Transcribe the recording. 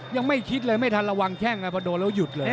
ยังไม่คิดเลยไม่ทันระวังแข้งนะพอโดนแล้วหยุดเลย